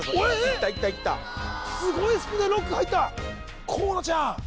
いったいったいったすごいスピードでロック入った河野ちゃん